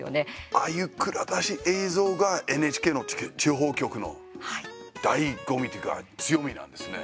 ああいう蔵出し映像がＮＨＫの地方局の、だいご味というか強みなんですね。